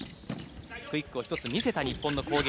クイックを１つ見せた日本の攻撃。